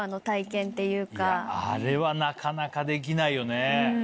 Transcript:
あれはなかなかできないよね。